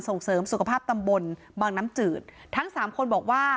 ส่งเสริมสุขภาพตำบลบางน้ำจืดทั้งสามคนบอกว่า